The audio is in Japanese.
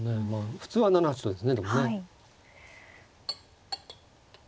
普通は７八とですねでもね。